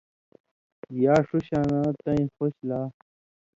یا ݜُو شاں تَیں خوش لا